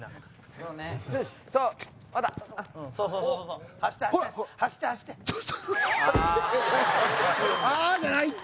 豊本：「ああー」じゃないって！